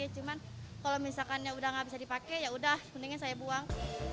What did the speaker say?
cuman kalau misalkan ya udah gak bisa dipakai yaudah mendingan saya buang